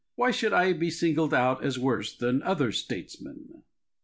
Why should I be singled out as worse than other statesmen?